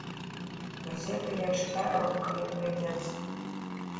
Газеты я чытаю, калі прыйдзецца!